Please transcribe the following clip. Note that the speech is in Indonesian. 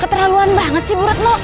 keterlaluan banget sih bu retno